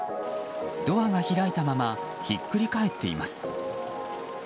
ドアが開いたままひっくり返っています。